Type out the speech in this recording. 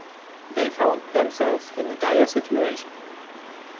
They found themselves in a dire situation.